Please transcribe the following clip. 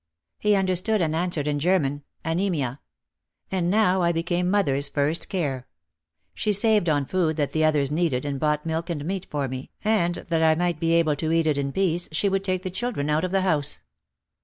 He understood and answered in German "Anemia." And now I became mothers first care. She saved on food that the others needed and bought milk and meat for me, and that I might be able to eat it in peace she would take the children out of the house.